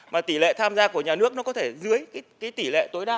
mà tỷ lệ tham gia của nhà nước có thể dưới tỷ lệ tối đa